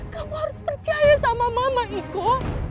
kamu harus percaya sama mama iku